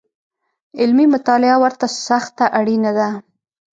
علمي مطالعه ورته سخته اړینه ده